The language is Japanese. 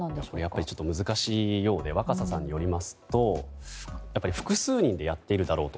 やっぱりちょっと難しいようで若狭さんによりますと複数人でやっているだろうと。